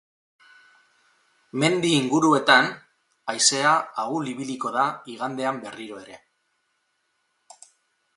Mendi inguruetan haizea ahul ibiliko da igandean berriro ere.